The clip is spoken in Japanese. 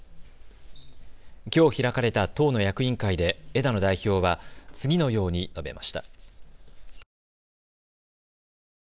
きょう開かれた党の役員会で枝野代表は次のように述べました。